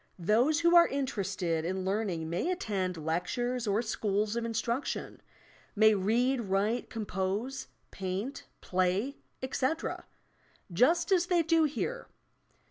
Those who are interested in learning may attend lectures or schools of instruction, may read, write, compose, paint, play, etc., just as they do here.